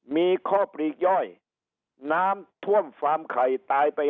มีข้อปลีกย่อยน้ำท่วมฟาร์มไข่ตายไป